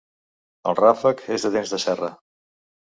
El ràfec és de dents de serra.